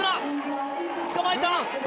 つかまえた！